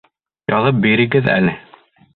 Яҙып бирегеҙ әле.